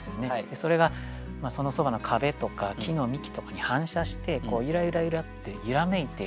それがそのそばの壁とか木の幹とかに反射してゆらゆらゆらって揺らめいている。